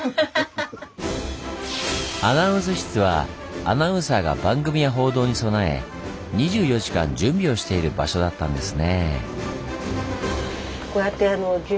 アナウンス室はアナウンサーが番組や報道に備え２４時間準備をしている場所だったんですね。